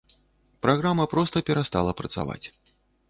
Праграма проста перастала працаваць.